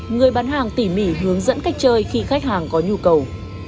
người bán hàng tỉ mỉ hướng dẫn cách chơi khi khách hàng có nhu cầu